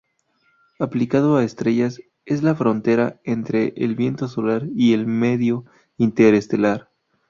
Aplicado a estrellas, es la frontera entre el viento solar y el medio interestelar.